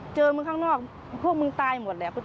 เจอมึงข้างนอกพวกมึงตายหมดแหละ